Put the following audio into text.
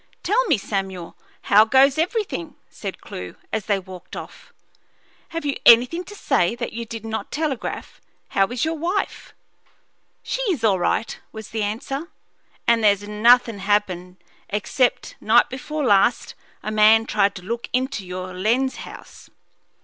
"Tell me, Samuel, how goes everything?" said Clewe, as they walked off. "Have you anything to say that you did not telegraph? How is your wife?" "She's all right," was the answer. "And there's nothin' happened, except, night before last, a man tried to look into your lens house."